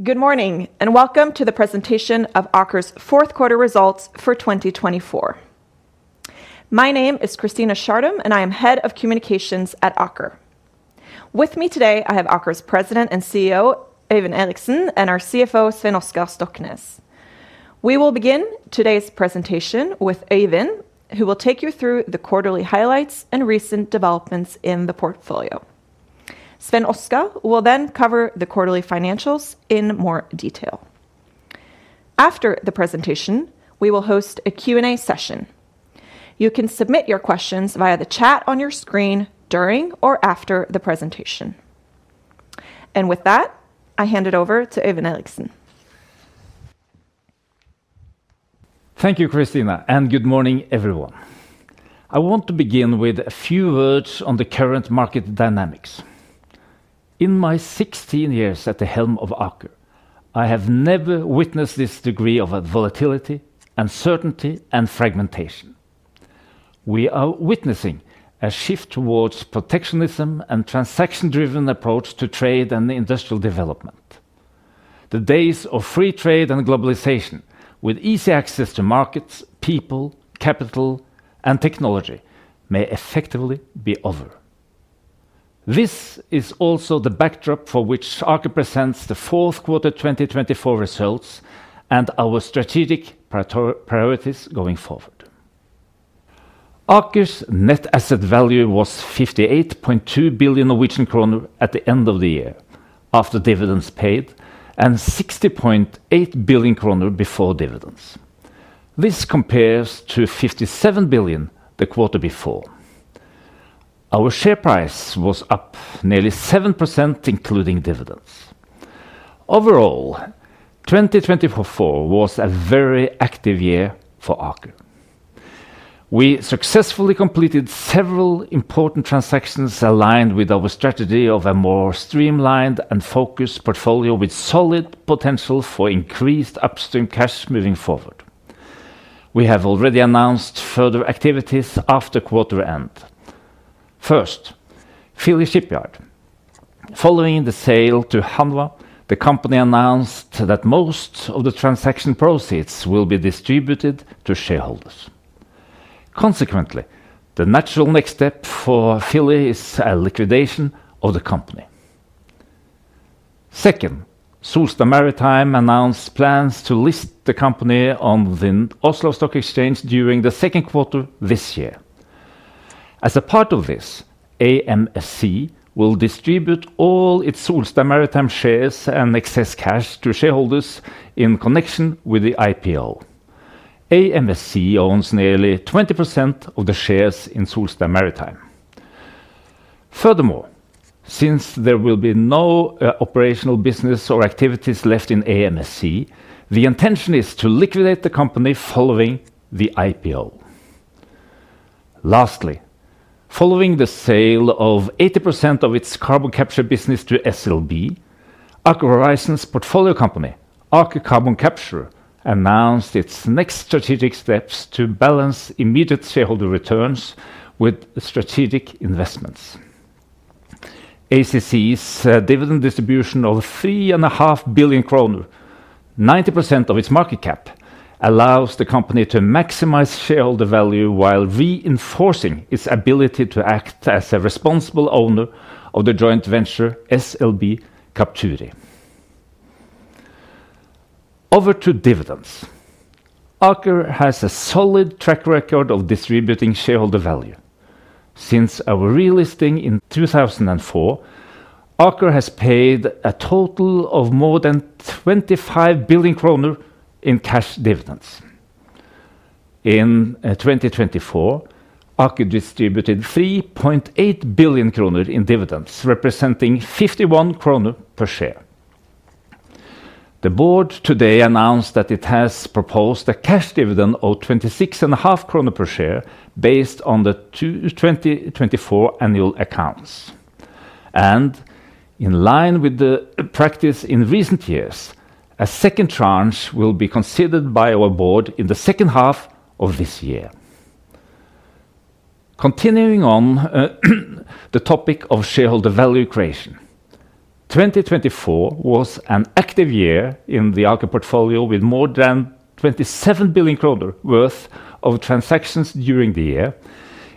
Good morning and welcome to the presentation of Aker's fourth quarter results for 2024. My name is Christina Schartum and I am head of communications at Aker. With me today, I have Aker's President and CEO, Øyvind Eriksen, and our CFO, Svein Oskar Stoknes. We will begin today's presentation with Øyvind, who will take you through the quarterly highlights and recent developments in the portfolio. Svein Oskar will then cover the quarterly financials in more detail. After the presentation, we will host a Q&A session. You can submit your questions via the chat on your screen during or after the presentation. And with that, I hand it over to Øyvind Eriksen. Thank you, Christina, and good morning, everyone. I want to begin with a few words on the current market dynamics. In my 16 years at the helm of Aker, I have never witnessed this degree of volatility, uncertainty, and fragmentation. We are witnessing a shift towards protectionism and a transaction-driven approach to trade and industrial development. The days of free trade and globalization, with easy access to markets, people, capital, and technology, may effectively be over. This is also the backdrop for which Aker presents the fourth quarter 2024 results and our strategic priorities going forward. Aker's net asset value was 58.2 billion Norwegian kroner at the end of the year after dividends paid and 60.8 billion kroner before dividends. This compares to 57 billion the quarter before. Our share price was up nearly 7%, including dividends. Overall, 2024 was a very active year for Aker. We successfully completed several important transactions aligned with our strategy of a more streamlined and focused portfolio with solid potential for increased upstream cash moving forward. We have already announced further activities after quarter end. First, Philly Shipyard. Following the sale to Hanwha, the company announced that most of the transaction proceeds will be distributed to shareholders. Consequently, the natural next step for Philly is a liquidation of the company. Second, Solstad Maritime announced plans to list the company on the Oslo Stock Exchange during the second quarter this year. As a part of this, AMSC will distribute all its Solstad Maritime shares and excess cash to shareholders in connection with the IPO. AMSC owns nearly 20% of the shares in Solstad Maritime. Furthermore, since there will be no operational business or activities left in AMSC, the intention is to liquidate the company following the IPO. Lastly, following the sale of 80% of its carbon capture business to SLB, Aker Horizons portfolio company, Aker Carbon Capture, announced its next strategic steps to balance immediate shareholder returns with strategic investments. ACC's dividend distribution of 3.5 billion kroner, 90% of its market cap, allows the company to maximize shareholder value while reinforcing its ability to act as a responsible owner of the joint venture SLB Aker Carbon Capture. Over to dividends. Aker has a solid track record of distributing shareholder value. Since our relisting in 2004, Aker has paid a total of more than 25 billion kroner in cash dividends. In 2024, Aker distributed 3.8 billion kroner in dividends, representing 51 kroner per share. The board today announced that it has proposed a cash dividend of 26.5 kroner per share based on the 2024 annual accounts. In line with the practice in recent years, a second tranche will be considered by our board in the second half of this year. Continuing on the topic of shareholder value creation, 2024 was an active year in the Aker portfolio with more than 27 billion kroner worth of transactions during the year,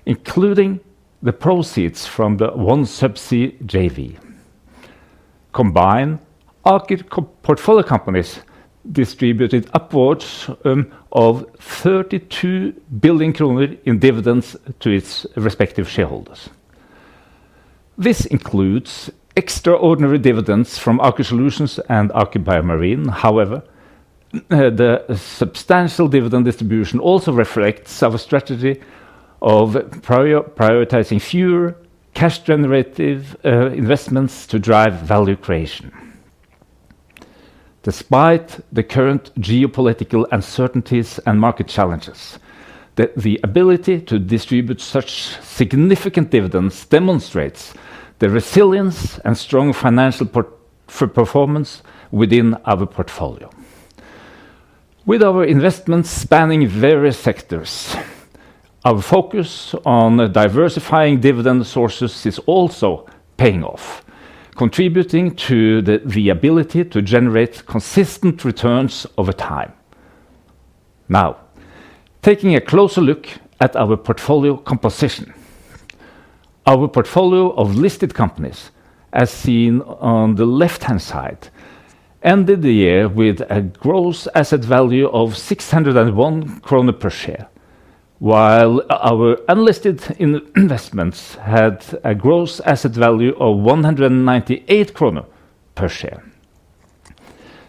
including the proceeds from the OneSubsea JV. Combined, Aker portfolio companies distributed upwards of 32 billion kroner in dividends to its respective shareholders. This includes extraordinary dividends from Aker Solutions and Aker BioMarine. However, the substantial dividend distribution also reflects our strategy of prioritizing fewer cash-generative investments to drive value creation. Despite the current geopolitical uncertainties and market challenges, the ability to distribute such significant dividends demonstrates the resilience and strong financial performance within our portfolio. With our investments spanning various sectors, our focus on diversifying dividend sources is also paying off, contributing to the ability to generate consistent returns over time. Now, taking a closer look at our portfolio composition, our portfolio of listed companies, as seen on the left-hand side, ended the year with a gross asset value of 601 krone per share, while our unlisted investments had a gross asset value of 198 kroner per share.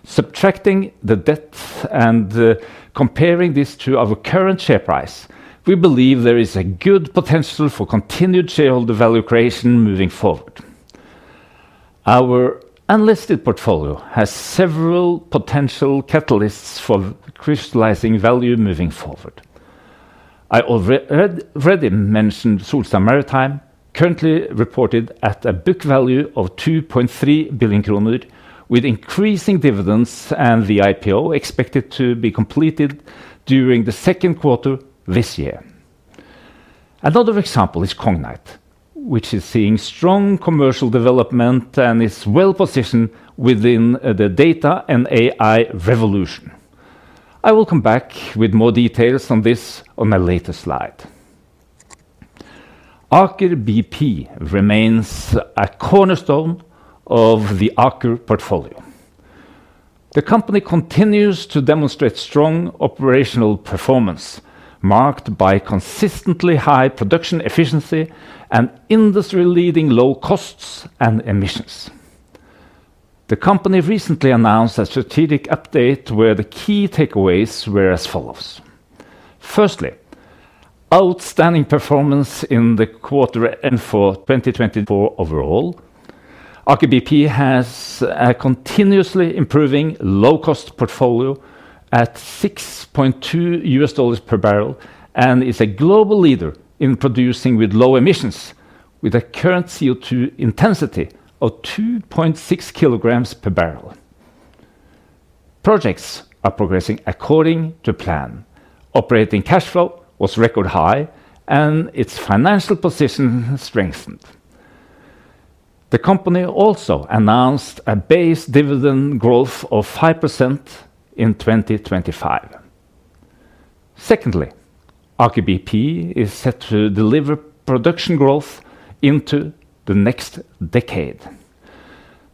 Subtracting the debt and comparing this to our current share price, we believe there is a good potential for continued shareholder value creation moving forward. Our unlisted portfolio has several potential catalysts for crystallizing value moving forward. I already mentioned Solstad Maritime, currently reported at a book value of 2.3 billion kroner, with increasing dividends and the IPO expected to be completed during the second quarter this year. Another example is Cognite, which is seeing strong commercial development and is well positioned within the data and AI revolution. I will come back with more details on this on my latest slide. Aker BP remains a cornerstone of the Aker portfolio. The company continues to demonstrate strong operational performance marked by consistently high production efficiency and industry-leading low costs and emissions. The company recently announced a strategic update where the key takeaways were as follows. Firstly, outstanding performance in the quarter end for 2024 overall. Aker BP has a continuously improving low-cost portfolio at $6.2 per barrel and is a global leader in producing with low emissions with a current CO2 intensity of 2.6 kilograms per barrel. Projects are progressing according to plan. Operating cash flow was record high and its financial position strengthened. The company also announced a base dividend growth of 5% in 2025. Secondly, Aker BP is set to deliver production growth into the next decade.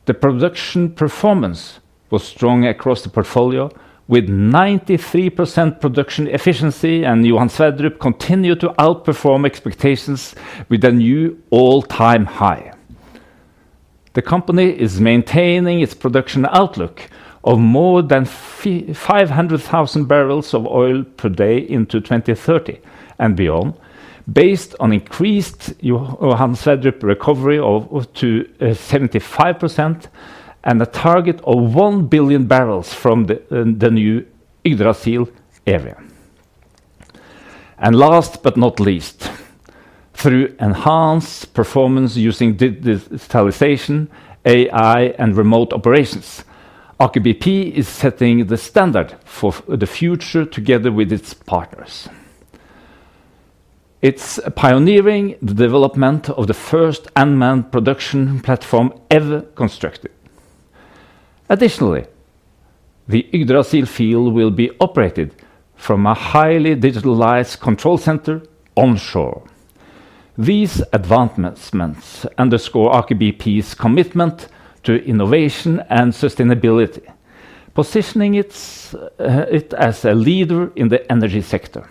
The production performance was strong across the portfolio with 93% production efficiency and Johan Sverdrup continued to outperform expectations with a new all-time high. The company is maintaining its production outlook of more than 500,000 barrels of oil per day into 2030 and beyond based on increased Johan Sverdrup recovery of 75% and a target of 1 billion barrels from the new Yggdrasil area and last but not least, through enhanced performance using digitalization, AI, and remote operations, Aker BP is setting the standard for the future together with its partners. It's pioneering the development of the first unmanned production platform ever constructed. Additionally, the Yggdrasil field will be operated from a highly digitalized control center onshore. These advancements underscore Aker BP's commitment to innovation and sustainability, positioning it as a leader in the energy sector.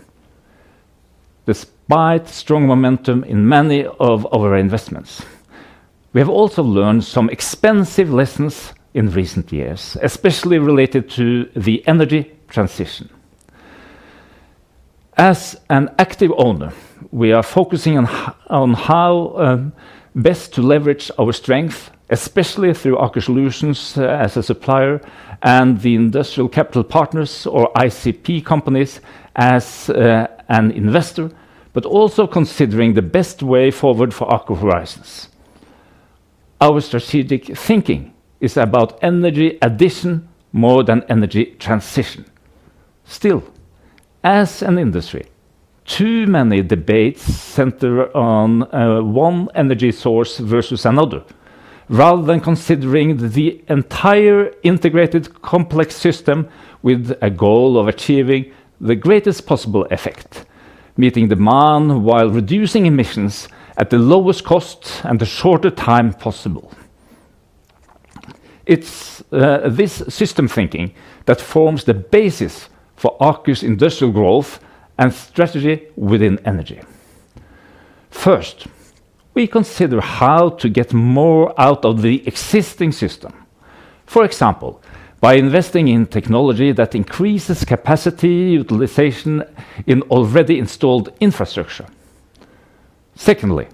Despite strong momentum in many of our investments, we have also learned some expensive lessons in recent years, especially related to the energy transition. As an active owner, we are focusing on how best to leverage our strength, especially through Aker Solutions as a supplier and the Industry Capital Partners, or ICP companies, as an investor, but also considering the best way forward for Aker Horizons. Our strategic thinking is about energy addition more than energy transition. Still, as an industry, too many debates center on one energy source versus another rather than considering the entire integrated complex system with a goal of achieving the greatest possible effect, meeting demand while reducing emissions at the lowest cost and the shortest time possible. It's this system thinking that forms the basis for Aker's industrial growth and strategy within energy. First, we consider how to get more out of the existing system, for example, by investing in technology that increases capacity utilization in already installed infrastructure. Secondly,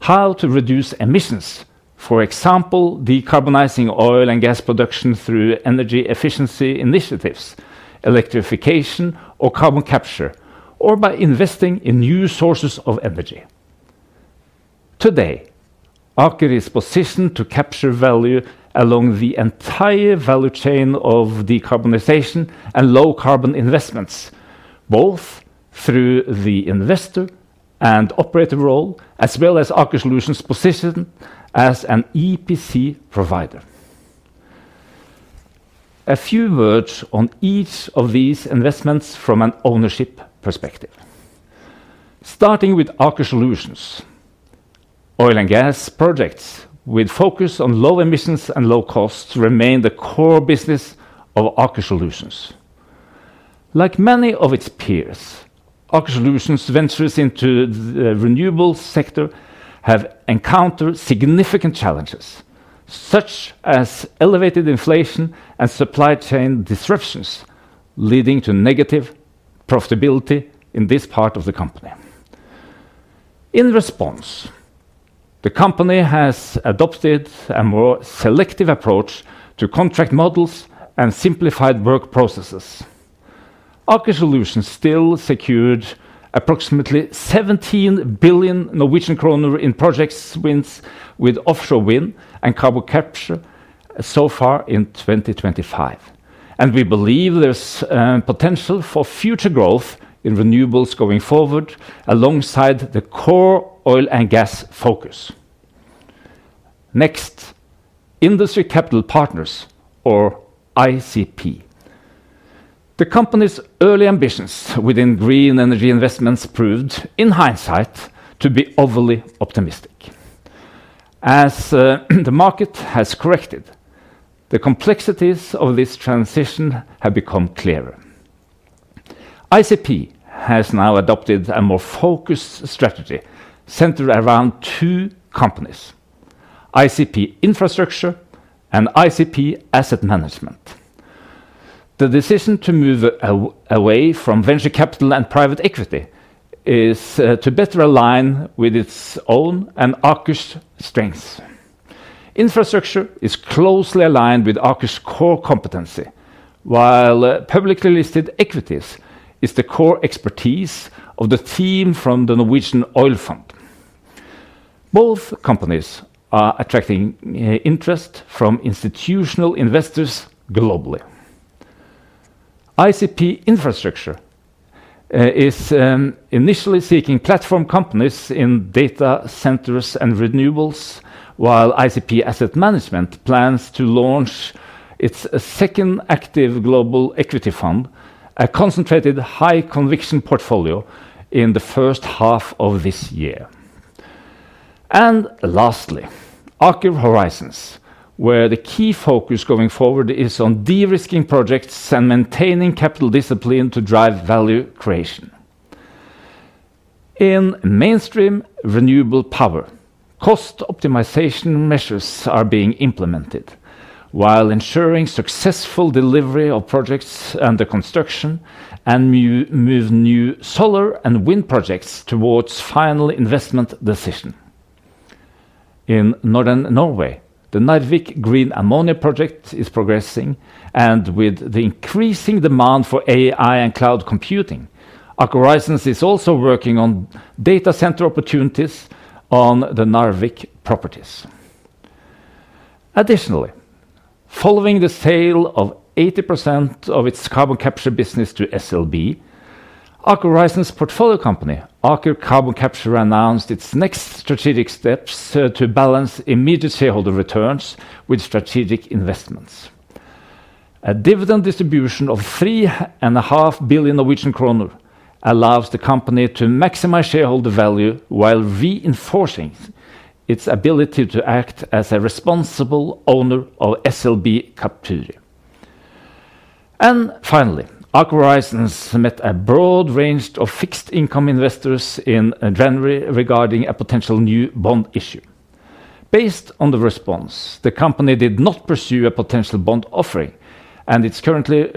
how to reduce emissions, for example, decarbonizing oil and gas production through energy efficiency initiatives, electrification, or carbon capture, or by investing in new sources of energy. Today, Aker is positioned to capture value along the entire value chain of decarbonization and low carbon investments, both through the investor and operator role, as well as Aker Solutions' position as an EPC provider. A few words on each of these investments from an ownership perspective. Starting with Aker Solutions, oil and gas projects with focus on low emissions and low costs remain the core business of Aker Solutions. Like many of its peers, Aker Solutions' ventures into the renewable sector have encountered significant challenges such as elevated inflation and supply chain disruptions leading to negative profitability in this part of the company. In response, the company has adopted a more selective approach to contract models and simplified work processes. Aker Solutions still secured approximately 17 billion Norwegian kroner in projects with offshore wind and carbon capture so far in 2025. We believe there's potential for future growth in renewables going forward alongside the core oil and gas focus. Next, Industry Capital Partners, or ICP. The company's early ambitions within green energy investments proved, in hindsight, to be overly optimistic. As the market has corrected, the complexities of this transition have become clearer. ICP has now adopted a more focused strategy centered around two companies: ICP Infrastructure and ICP Asset Management. The decision to move away from venture capital and private equity is to better align with its own and Aker's strengths. Infrastructure is closely aligned with Aker's core competency, while publicly listed equities is the core expertise of the team from the Norwegian Oil Fund. Both companies are attracting interest from institutional investors globally. ICP Infrastructure is initially seeking platform companies in data centers and renewables, while ICP Asset Management plans to launch its second active global equity fund, a concentrated high-conviction portfolio in the first half of this year. And lastly, Aker Horizons, where the key focus going forward is on de-risking projects and maintaining capital discipline to drive value creation. In mainstream renewable power, cost optimization measures are being implemented while ensuring successful delivery of projects under construction and move new solar and wind projects towards final investment decision. In Northern Norway, the Narvik Green Ammonia Project is progressing, and with the increasing demand for AI and cloud computing, Aker Horizons is also working on data center opportunities on the Narvik properties. Additionally, following the sale of 80% of its carbon capture business to SLB, Aker Horizons' portfolio company, Aker Carbon Capture, announced its next strategic steps to balance immediate shareholder returns with strategic investments. A dividend distribution of 3.5 billion Norwegian kroner allows the company to maximize shareholder value while reinforcing its ability to act as a responsible owner of ACC. Finally, Aker Horizons met a broad range of fixed-income investors in January regarding a potential new bond issue. Based on the response, the company did not pursue a potential bond offering, and it's currently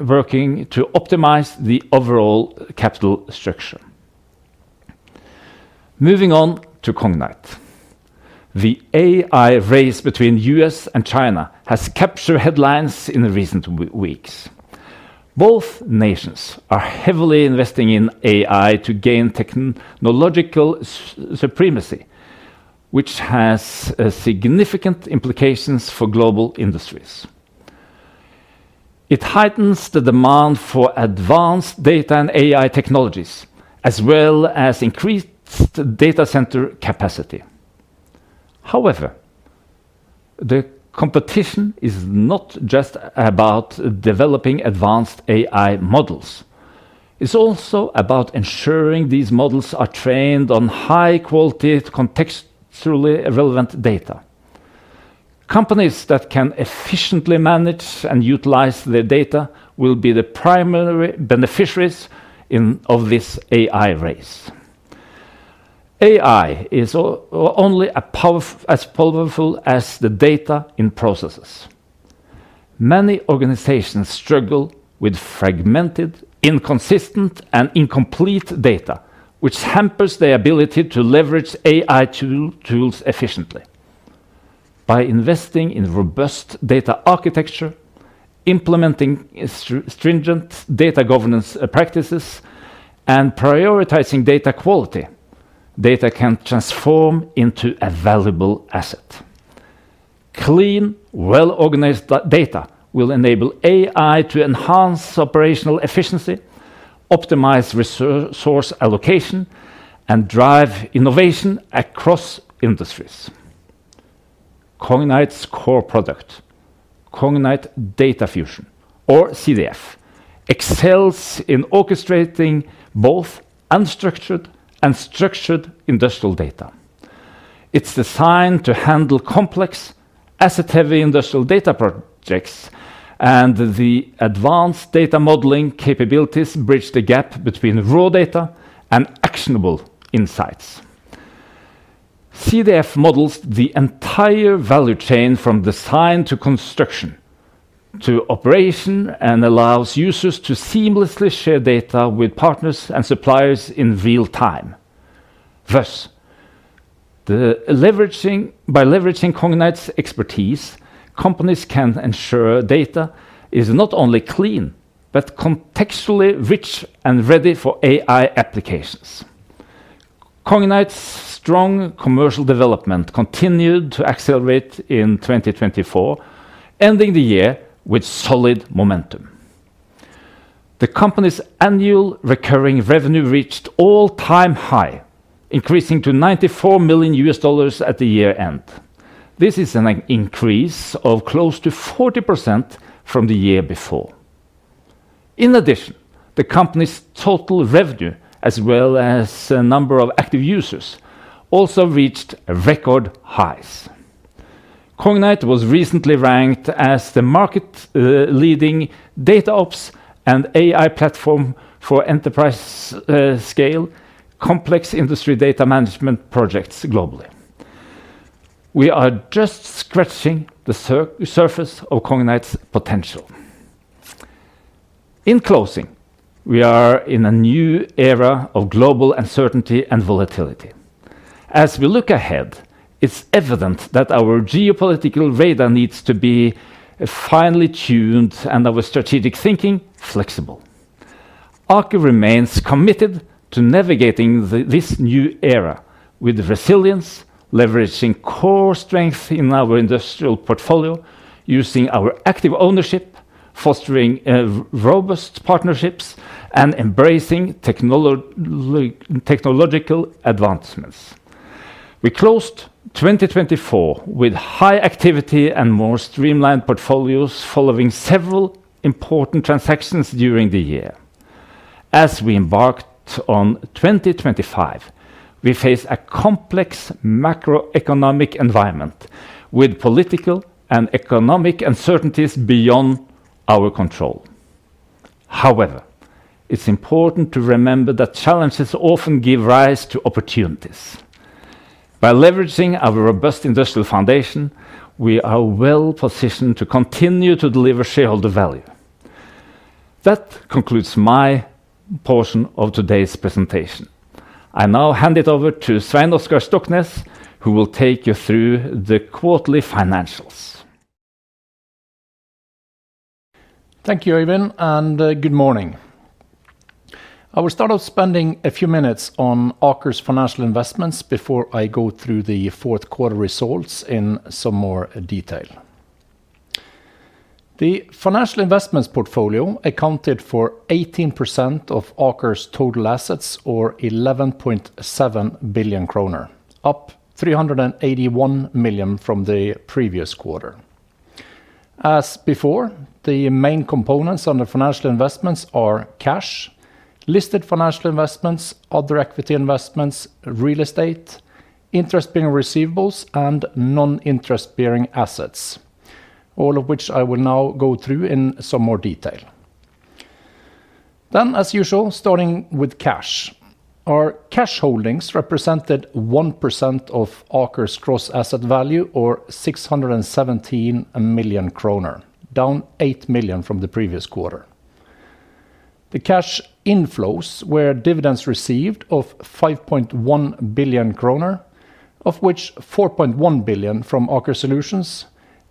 working to optimize the overall capital structure. Moving on to Cognite. The AI race between the U.S. and China has captured headlines in recent weeks. Both nations are heavily investing in AI to gain technological supremacy, which has significant implications for global industries. It heightens the demand for advanced data and AI technologies, as well as increased data center capacity. However, the competition is not just about developing advanced AI models. It's also about ensuring these models are trained on high-quality, contextually relevant data. Companies that can efficiently manage and utilize their data will be the primary beneficiaries of this AI race. AI is only as powerful as the data in processes. Many organizations struggle with fragmented, inconsistent, and incomplete data, which hampers their ability to leverage AI tools efficiently. By investing in robust data architecture, implementing stringent data governance practices, and prioritizing data quality, data can transform into a valuable asset. Clean, well-organized data will enable AI to enhance operational efficiency, optimize resource allocation, and drive innovation across industries. Cognite's core product, Cognite Data Fusion, or CDF, excels in orchestrating both unstructured and structured industrial data. It's designed to handle complex, asset-heavy industrial data projects, and the advanced data modeling capabilities bridge the gap between raw data and actionable insights. CDF models the entire value chain from design to construction to operation and allows users to seamlessly share data with partners and suppliers in real time. Thus, by leveraging Cognite's expertise, companies can ensure data is not only clean but contextually rich and ready for AI applications. Cognite's strong commercial development continued to accelerate in 2024, ending the year with solid momentum. The company's annual recurring revenue reached all-time high, increasing to $94 million at the year-end. This is an increase of close to 40% from the year before. In addition, the company's total revenue, as well as the number of active users, also reached record highs. Cognite was recently ranked as the market-leading DataOps and AI platform for enterprise-scale complex industry data management projects globally. We are just scratching the surface of Cognite's potential. In closing, we are in a new era of global uncertainty and volatility. As we look ahead, it's evident that our geopolitical radar needs to be finely tuned and our strategic thinking flexible. Aker remains committed to navigating this new era with resilience, leveraging core strength in our industrial portfolio, using our active ownership, fostering robust partnerships, and embracing technological advancements. We closed 2024 with high activity and more streamlined portfolios following several important transactions during the year. As we embark on 2025, we face a complex macroeconomic environment with political and economic uncertainties beyond our control. However, it's important to remember that challenges often give rise to opportunities. By leveraging our robust industrial foundation, we are well-positioned to continue to deliver shareholder value. That concludes my portion of today's presentation. I now hand it over to Svein Oskar Stoknes, who will take you through the quarterly financials. Thank you, Øyvind, and Good morning. I will start off spending a few minutes on Aker's financial investments before I go through the fourth quarter results in some more detail. The financial investments portfolio accounted for 18% of Aker's total assets, or 11.7 billion kroner, up 381 million from the previous quarter. As before, the main components under financial investments are cash, listed financial investments, other equity investments, real estate, interest-bearing receivables, and non-interest-bearing assets, all of which I will now go through in some more detail. Then, as usual, starting with cash. Our cash holdings represented 1% of Aker's gross asset value, or 617 million kroner, down 8 million from the previous quarter. The cash inflows were dividends received of 5.1 billion kroner, of which 4.1 billion from Aker Solutions,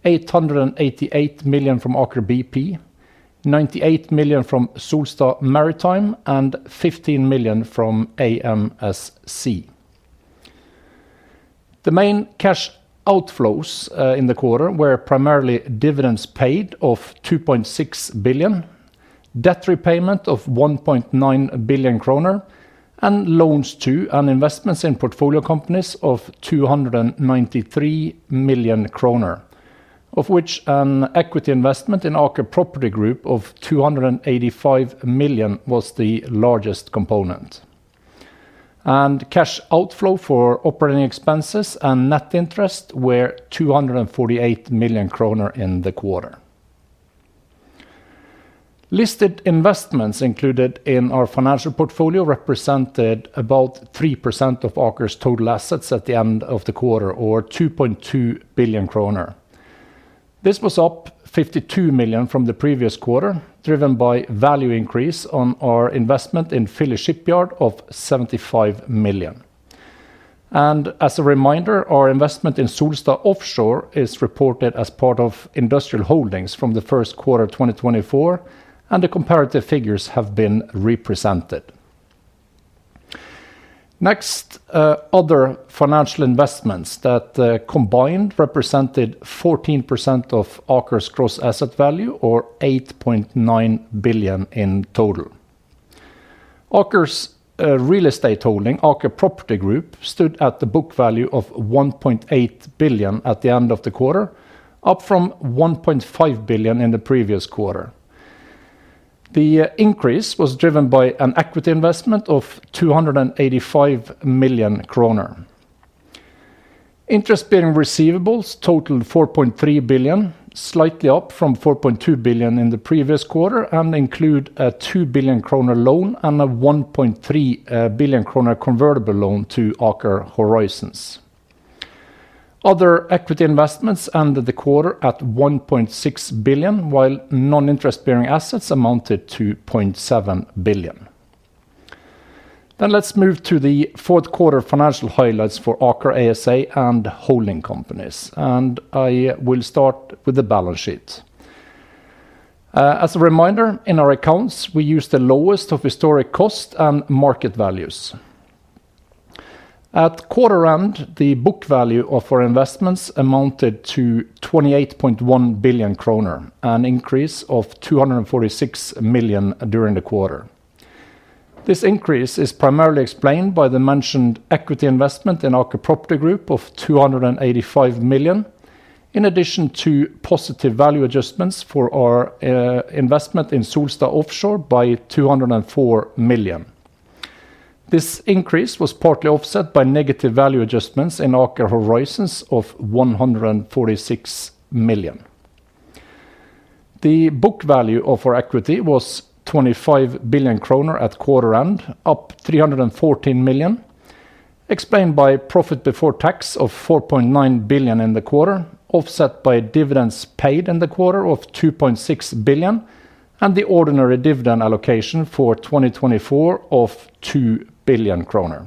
888 million from Aker BP, 98 million from Solstad Maritime, and 15 million from AMSC. The main cash outflows in the quarter were primarily dividends paid of 2.6 billion, debt repayment of 1.9 billion kroner, and loans to and investments in portfolio companies of 293 million kroner, of which an equity investment in Aker Property Group of 285 million was the largest component, and cash outflow for operating expenses and net interest were 248 million kroner in the quarter. Listed investments included in our financial portfolio represented about 3% of Aker's total assets at the end of the quarter, or 2.2 billion kroner. This was up 52 million from the previous quarter, driven by value increase on our investment in Philly Shipyard of 75 million. As a reminder, our investment in Solstad Offshore is reported as part of industrial holdings from the first quarter of 2024, and the comparative figures have been represented. Next, other financial investments that combined represented 14% of Aker's gross asset value, or 8.9 billion in total. Aker's real estate holding, Aker Property Group, stood at the book value of 1.8 billion at the end of the quarter, up from 1.5 billion in the previous quarter. The increase was driven by an equity investment of 285 million kroner. Interest-bearing receivables totaled 4.3 billion, slightly up from 4.2 billion in the previous quarter, and include a 2 billion kroner loan and a 1.3 billion kroner convertible loan to Aker Horizons. Other equity investments ended the quarter at 1.6 billion, while non-interest-bearing assets amounted to 2.7 billion. Then let's move to the fourth quarter financial highlights for Aker ASA and holding companies, and I will start with the balance sheet. As a reminder, in our accounts, we used the lowest of historic costs and market values. At quarter end, the book value of our investments amounted to 28.1 billion kroner, an increase of 246 million during the quarter. This increase is primarily explained by the mentioned equity investment in Aker Property Group of 285 million, in addition to positive value adjustments for our investment in Solstad Offshore by 204 million. This increase was partly offset by negative value adjustments in Aker Horizons of 146 million. The book value of our equity was 25 billion kroner at quarter end, up 314 million, explained by profit before tax of 4.9 billion in the quarter, offset by dividends paid in the quarter of 2.6 billion, and the ordinary dividend allocation for 2024 of 2 billion kroner.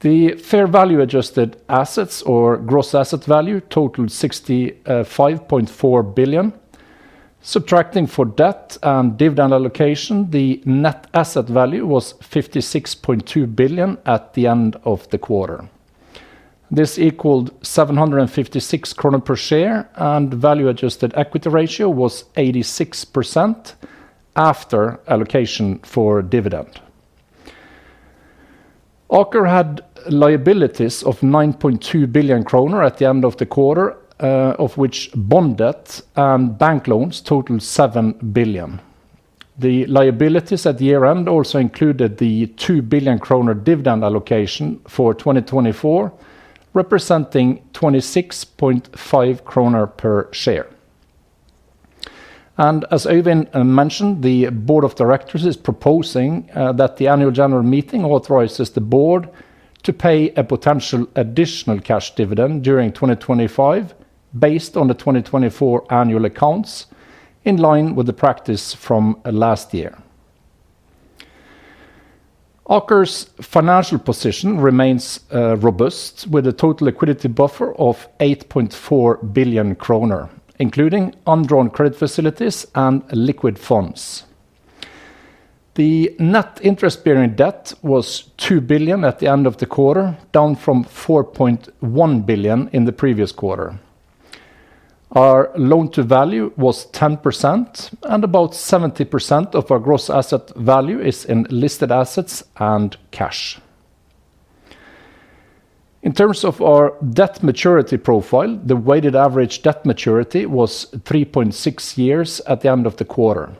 The fair value adjusted assets, or gross asset value, totaled 65.4 billion. Subtracting for debt and dividend allocation, the net asset value was 56.2 billion at the end of the quarter. This equaled 756 kroner per share, and value adjusted equity ratio was 86% after allocation for dividend. Aker had liabilities of 9.2 billion kroner at the end of the quarter, of which bond debt and bank loans totaled 7 billion. The liabilities at year-end also included the 2 billion kroner dividend allocation for 2024, representing 26.5 kroner per share. As Øyvind mentioned, the board of directors is proposing that the annual general meeting authorizes the board to pay a potential additional cash dividend during 2025, based on the 2024 annual accounts, in line with the practice from last year. Aker's financial position remains robust, with a total liquidity buffer of 8.4 billion kroner, including undrawn credit facilities and liquid funds. The net interest-bearing debt was 2 billion at the end of the quarter, down from 4.1 billion in the previous quarter. Our loan-to-value was 10%, and about 70% of our gross asset value is in listed assets and cash. In terms of our debt maturity profile, the weighted average debt maturity was 3.6 years at the end of the quarter.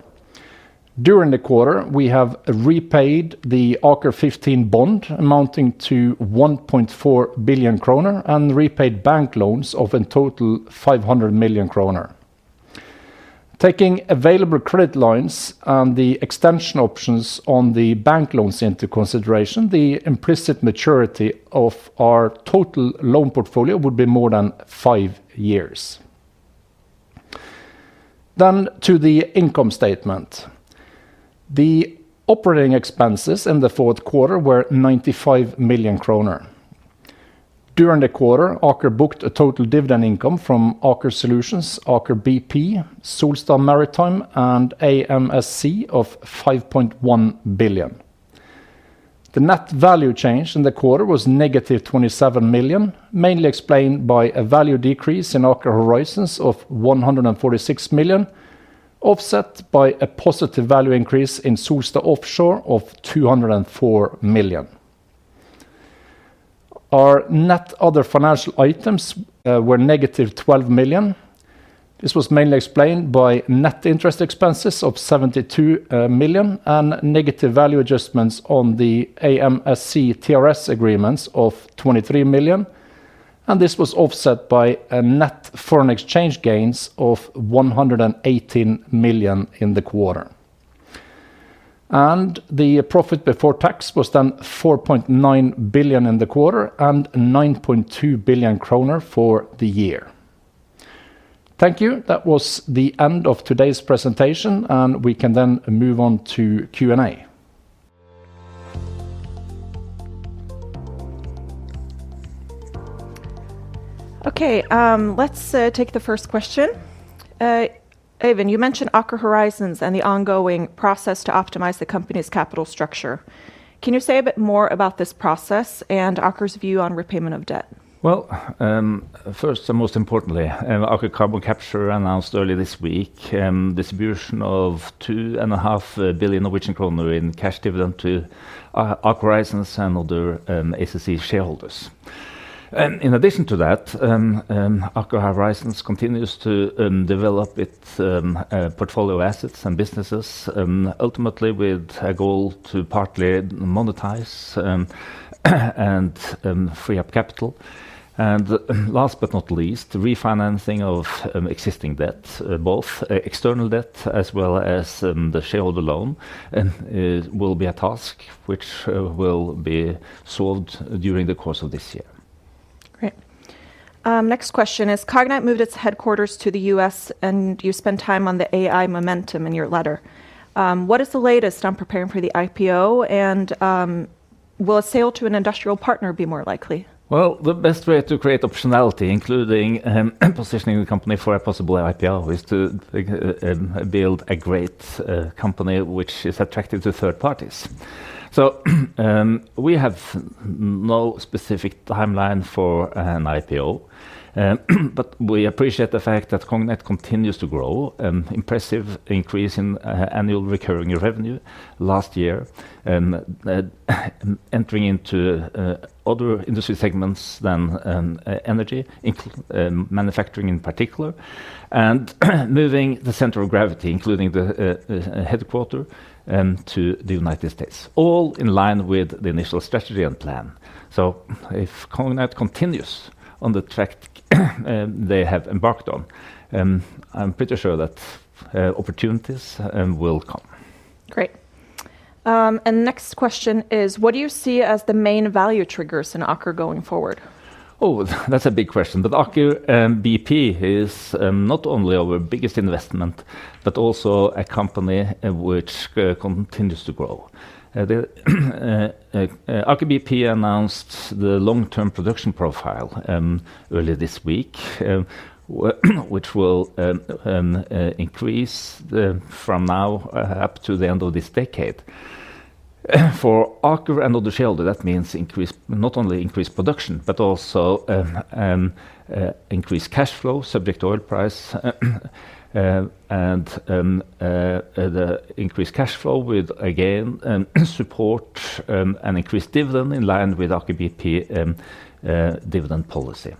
During the quarter, we have repaid the AKER15 bond amounting to 1.4 billion kroner and repaid bank loans of a total of 500 million kroner. Taking available credit lines and the extension options on the bank loans into consideration, the implicit maturity of our total loan portfolio would be more than 5 years. Then to the income statement. The operating expenses in the fourth quarter were 95 million kroner. During the quarter, Aker booked a total dividend income from Aker Solutions, Aker BP, Solstad Maritime, and AMSC of 5.1 billion. The net value change in the quarter was negative 27 million, mainly explained by a value decrease in Aker Horizons of 146 million, offset by a positive value increase in Solstad Offshore of 204 million. Our net other financial items were negative 12 million. This was mainly explained by net interest expenses of 72 million and negative value adjustments on the AMSC TRS agreements of 23 million, and this was offset by net foreign exchange gains of 118 million in the quarter. And the profit before tax was then 4.9 billion in the quarter and 9.2 billion kroner for the year. Thank you. That was the end of today's presentation, and we can then move on to Q&A. Okay, let's take the first question. Øyvind, you mentioned Aker Horizons and the ongoing process to optimize the company's capital structure. Can you say a bit more about this process and Aker's view on repayment of debt? Well, first and most importantly, Aker Carbon Capture announced early this week the distribution of 2.5 billion Norwegian kroner in cash dividend to Aker Horizons and other Aker ASA shareholders. And in addition to that, Aker Horizons continues to develop its portfolio assets and businesses, ultimately with a goal to partly monetize and free up capital. And last but not least, refinancing of existing debt, both external debt as well as the shareholder loan, will be a task which will be solved during the course of this year. Great. Next question is, Cognite moved its headquarters to the U.S., and you spent time on the AI momentum in your letter. What is the latest on preparing for the IPO, and will a sale to an industrial partner be more likely? Well, the best way to create optionality, including positioning the company for a possible IPO, is to build a great company which is attractive to third parties. So we have no specific timeline for an IPO, but we appreciate the fact that Cognite continues to grow, an impressive increase in annual recurring revenue last year, entering into other industry segments than energy, manufacturing in particular, and moving the center of gravity, including the headquarters, to the United States, all in line with the initial strategy and plan. So if Cognite continues on the track they have embarked on, I'm pretty sure that opportunities will come. Great. And the next question is, what do you see as the main value triggers in Aker going forward? Oh, that's a big question. But Aker BP is not only our biggest investment, but also a company which continues to grow. Aker BP announced the long-term production profile early this week, which will increase from now up to the end of this decade. For Aker and other shareholders, that means not only increased production, but also increased cash flow, subject to oil price, and the increased cash flow will again support an increased dividend in line with Aker BP's dividend policy.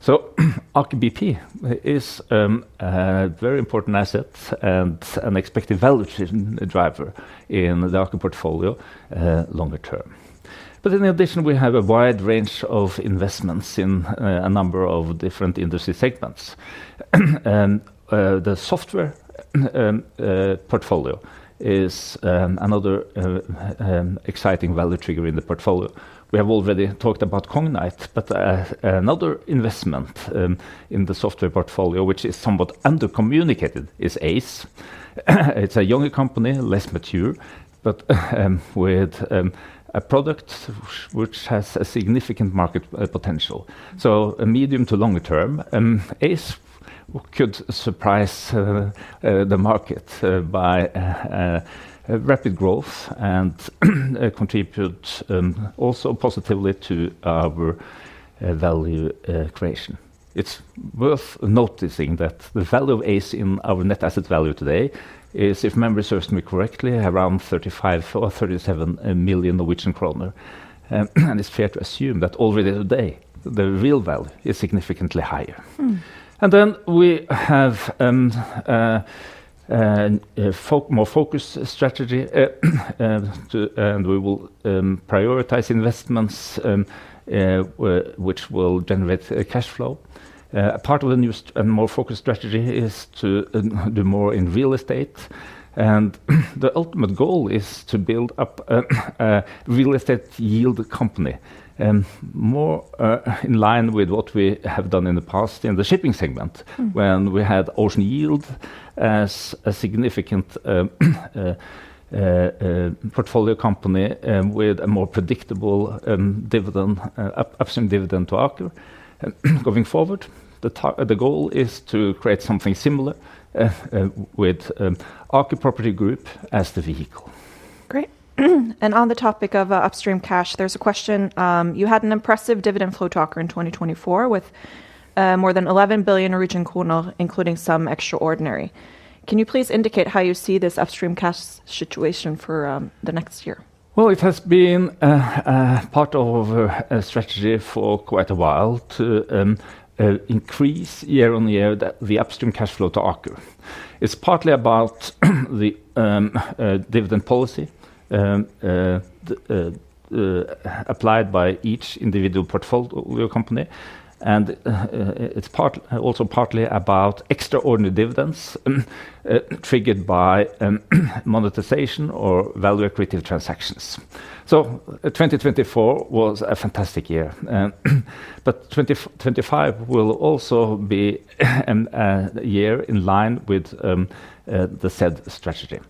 So Aker BP is a very important asset and an expected value driver in the Aker portfolio longer term. But in addition, we have a wide range of investments in a number of different industry segments. The software portfolio is another exciting value trigger in the portfolio. We have already talked about Cognite, but another investment in the software portfolio, which is somewhat undercommunicated, is Aize. It's a younger company, less mature, but with a product which has a significant market potential. So medium to long term, Aize could surprise the market by rapid growth and contribute also positively to our value creation. It's worth noticing that the value of Aize in our net asset value today is, if memory serves me correctly, around 35 or 37 million. And it's fair to assume that already today, the real value is significantly higher. And then we have a more focused strategy, and we will prioritize investments which will generate cash flow. A part of the new and more focused strategy is to do more in real estate. And the ultimate goal is to build up a real estate yield company, more in line with what we have done in the past in the shipping segment, when we had Ocean Yield as a significant portfolio company with a more predictable upstream dividend to Aker. Going forward, the goal is to create something similar with Aker Property Group as the vehicle. Great. And on the topic of upstream cash, there's a question. You had an impressive dividend flow to Aker in 2024 with more than 11 billion, including some extraordinary. Can you please indicate how you see this upstream cash situation for the next year? Well, it has been part of a strategy for quite a while to increase year on year the upstream cash flow to Aker. It's partly about the dividend policy applied by each individual portfolio company, and it's also partly about extraordinary dividends triggered by monetization or value equity transactions. So 2024 was a fantastic year, but 2025 will also be a year in line with the said strategy.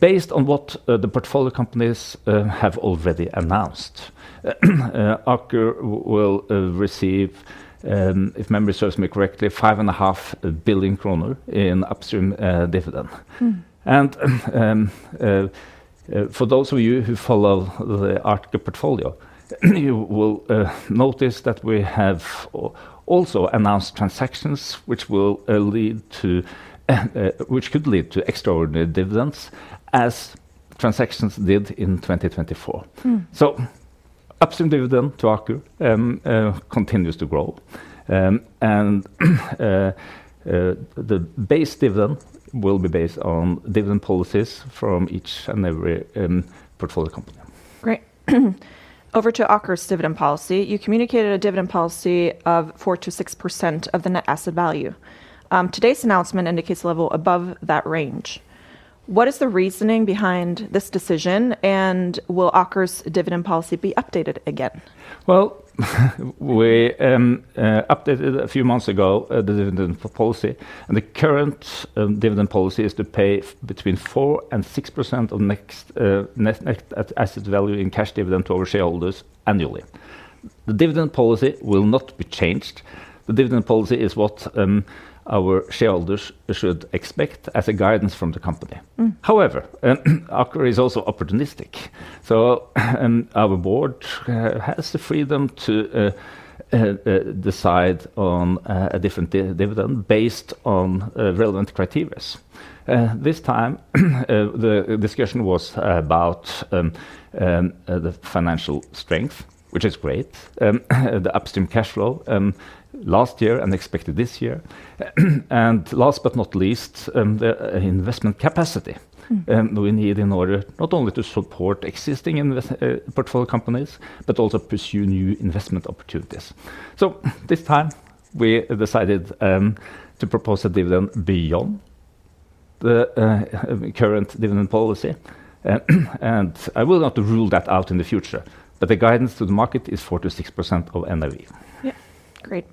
Based on what the portfolio companies have already announced, Aker will receive, if memory serves me correctly, 5.5 billion kroner in upstream dividend. For those of you who follow the Aker portfolio, you will notice that we have also announced transactions which could lead to extraordinary dividends as transactions did in 2024. Upstream dividend to Aker continues to grow, and the base dividend will be based on dividend policies from each and every portfolio company. Great. Over to Aker's dividend policy. You communicated a dividend policy of 4%-6% of the net asset value. Today's announcement indicates a level above that range. What is the reasoning behind this decision, and will Aker's dividend policy be updated again? We updated a few months ago the dividend policy, and the current dividend policy is to pay between 4%-6% of net asset value in cash dividend to our shareholders annually. The dividend policy will not be changed. The dividend policy is what our shareholders should expect as guidance from the company. However, Aker is also opportunistic, so our board has the freedom to decide on a different dividend based on relevant criteria. This time, the discussion was about the financial strength, which is great, the upstream cash flow last year and expected this year, and last but not least, the investment capacity we need in order not only to support existing portfolio companies but also pursue new investment opportunities. So this time, we decided to propose a dividend beyond the current dividend policy, and I will not rule that out in the future, but the guidance to the market is 4%-6% of NAV. Yeah, great.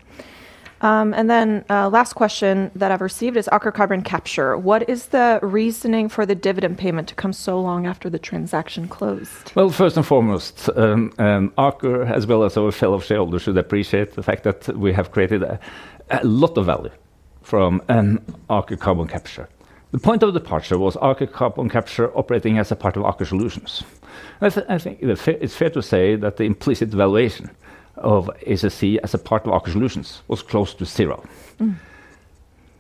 Then the last question that I've received is Aker Carbon Capture. What is the reasoning for the dividend payment to come so long after the transaction closed? Well, first and foremost, Aker, as well as our fellow shareholders, should appreciate the fact that we have created a lot of value from Aker Carbon Capture. The point of departure was Aker Carbon Capture operating as a part of Aker Solutions. I think it's fair to say that the implicit valuation of ACC as a part of Aker Solutions was close to zero.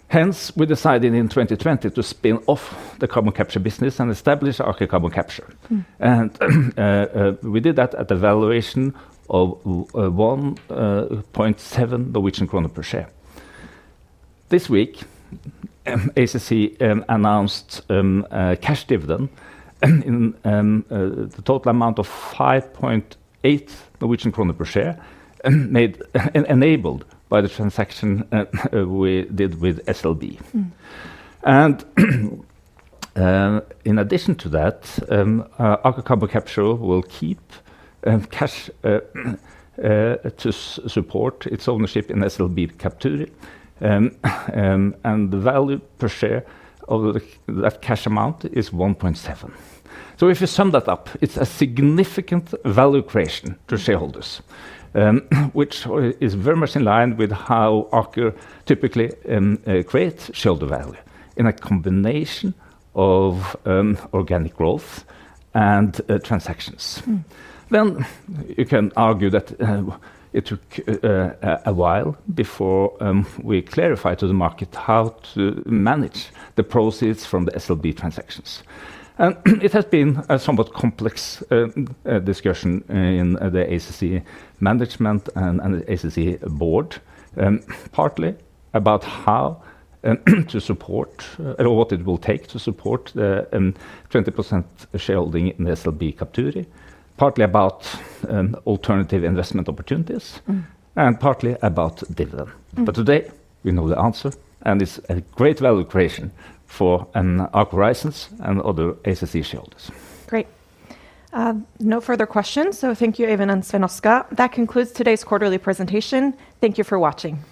Hence, we decided in 2020 to spin off the carbon capture business and establish Aker Carbon Capture. And we did that at a valuation of 1.7 Norwegian kroner per share. This week, ACC announced cash dividend in the total amount of 5.8 Norwegian kroner per share, enabled by the transaction we did with SLB and in addition to that, Aker Carbon Capture will keep cash to support its ownership in SLB Capture, and the value per share of that cash amount is 1.7. So if you sum that up, it's a significant value creation to shareholders, which is very much in line with how Aker typically creates shareholder value in a combination of organic growth and transactions. Then you can argue that it took a while before we clarified to the market how to manage the proceeds from the SLB transactions. And it has been a somewhat complex discussion in the Aker ASA management and Aker ASA board, partly about how to support or what it will take to support the 20% shareholding in SLB Capture, partly about alternative investment opportunities, and partly about dividend. But today, we know the answer, and it's a great value creation for Aker Horizons and other Aker ASA shareholders. Great. No further questions. So thank you, Øyvind and Svein Oskar. That concludes today's quarterly presentation. Thank you for watching.